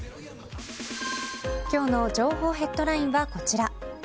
今日の情報ヘッドラインはこちら。